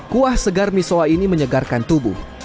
kuah segar misoa ini menyegarkan tubuh